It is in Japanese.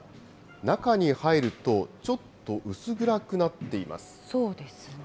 中に入ると、ちょっと薄暗くなっています。